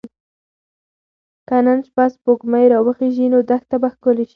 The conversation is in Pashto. که نن شپه سپوږمۍ راوخیژي نو دښته به ښکلې شي.